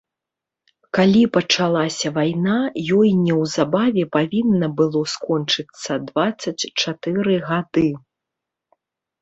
Калі пачалася вайна, ёй неўзабаве павінна было скончыцца дваццаць чатыры гады.